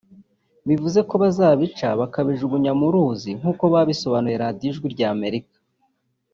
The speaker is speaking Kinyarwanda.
bivuze ko bazabica bakabajugunya mu ruzi nk’uko babisobanuriye Radio Ijwi rya Amerika